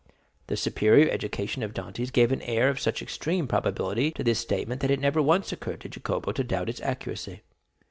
The superior education of Dantès gave an air of such extreme probability to this statement that it never once occurred to Jacopo to doubt its accuracy.